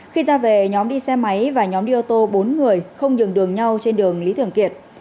khi ra về nhóm đi xe máy và nhóm đi ô tô bốn người không nhường đường nhau trên đường lý thường kiệt